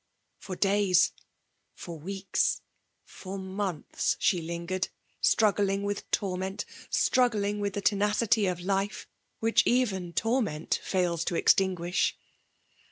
For days, — for weeks, — for months, — she lingered, struggling with torment, — struggling with the tenacity of life, which even torment fails to extinguish.